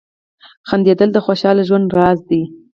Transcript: • خندېدل د خوشال ژوند راز دی.